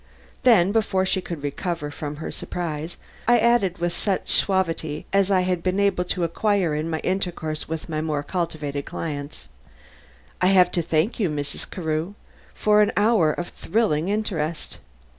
Then before she could recover from her surprise, I added with such suavity as I had been able to acquire in my intercourse with my more cultivated clients: "I have to thank you, Mrs. Carew, for an hour of thrilling interest.